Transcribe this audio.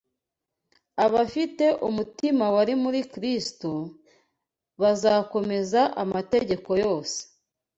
Abafite umutima wari muri Kristo bazakomeza amategeko yose